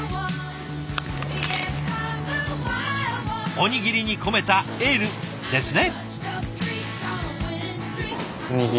おにぎりに込めたエールですね！